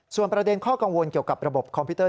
ส่วนประเด็นข้อกังวลเกี่ยวกับระบบคอมพิวเต